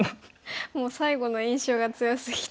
もう最後の印象が強すぎて。